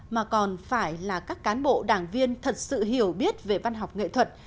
mà còn phải là các cán bộ đảng viên thật sự hiểu biết về văn học nghệ thuật